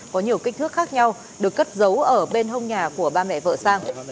có nhiều kích thước khác nhau được cất giấu ở bên hông nhà của sang